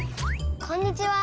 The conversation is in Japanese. こんにちは。